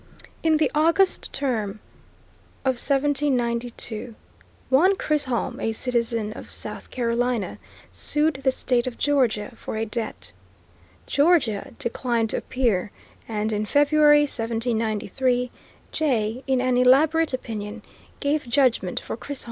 In the August Term of 1792, one Chisholm, a citizen of South Carolina, sued the State of Georgia for a debt. Georgia declined to appear, and in February, 1793, Jay, in an elaborate opinion, gave judgment for Chisholm.